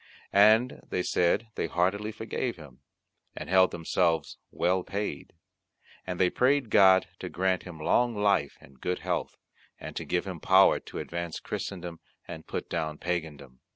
And they said they heartily forgave him, and held themselves well paid; and they prayed God to grant him long life and good health, and to give him power to advance Christendom, and put down Pagandom.